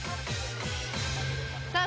さあ